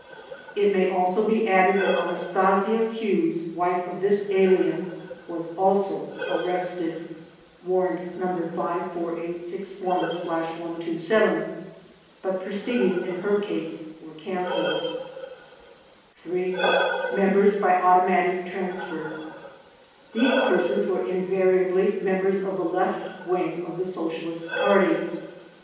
It may also be added that Anastasia Hewes, wife of this alien, was also arrested (Warrant No. 54861/127) but proceedings in her case were cancelled. 3. Members by Automatic Transfer These persons were invariably members, of the Left Wing of the Socialist Party.